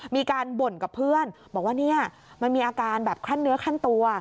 มีการบ่นกับเพื่อนบอกว่าเนี่ยมันมีอาการแบบขั้นเนื้อขั้นตัว